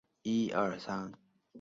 所以我最后什么都没有摘到